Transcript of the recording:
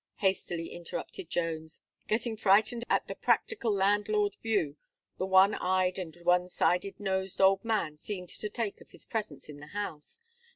hastily interrupted Jones, getting frightened at the practical landlord view the one eyed and one sided nosed old man seemed to take of his presence in the house.